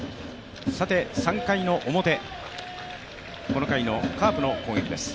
３回の表、この回のカープの攻撃です。